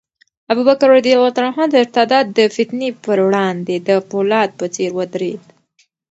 ابوبکر رض د ارتداد د فتنې پر وړاندې د فولاد په څېر ودرېد.